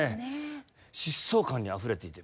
疾走感にあふれていて